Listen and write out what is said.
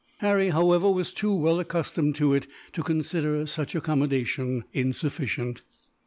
Harry, however, was too well accustomed to it to consider such accommodation insufficient.